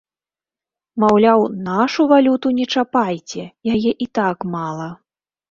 Маўляў, нашу валюту не чапайце, яе і так мала.